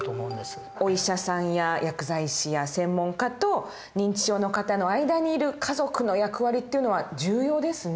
お医者さんや薬剤師や専門家と認知症の方の間にいる家族の役割っていうのは重要ですね。